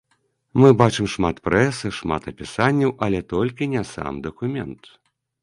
Мы бачым шмат прэсы, шмат апісанняў, але толькі не сам дакумент.